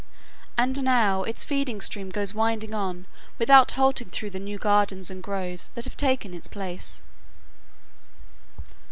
And now its feeding stream goes winding on without halting through the new gardens and groves that have taken its place.